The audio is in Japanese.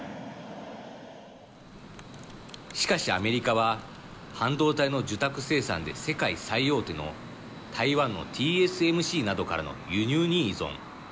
しかし、アメリカは半導体の受託生産で世界最大手の台湾のＴＳＭＣなどからの輸入に依存。